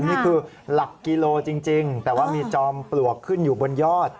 นี่คือหลักกิโลจริงแต่ว่ามีจอมปลวกขึ้นอยู่บนยอด